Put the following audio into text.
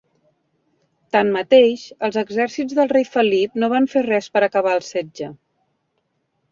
Tanmateix, els exèrcits del rei Felip no van fer res per acabar el setge.